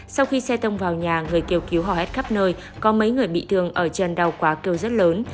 sau khi xe tông vào nhà người kêu cứu hầu hết khắp nơi có mấy người bị thương ở chân đau quá kêu rất lớn